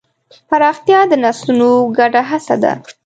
پراختیا د نسلونو ګډه هڅه ده.